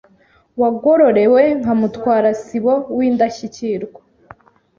wagororewe nka mutwarasibo w’Indashyikirwa